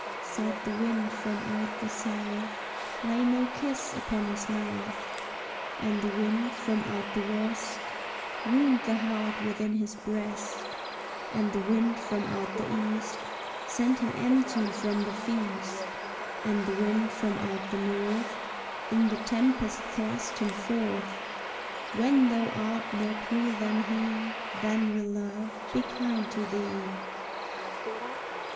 Said the wind from out the south, "Lay no kiss upon his mouth," And the wind from out the west, "Wound the heart within his breast," And the wind from out the east, "Send him empty from the feast," And the wind from out the north, "In the tempest thrust him forth; When thou art more cruel than he, Then will Love be kind to thee."